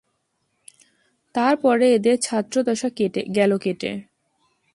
তার পরে এদের ছাত্রদশা গেল কেটে।